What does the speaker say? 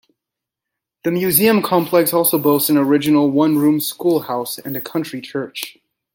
The museum complex also boasts an original one-room schoolhouse and a country church.